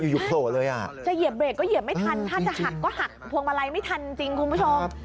โผล่เลยอ่ะจะเหยียบเรกก็เหยียบไม่ทันถ้าจะหักก็หักพวงมาลัยไม่ทันจริงคุณผู้ชม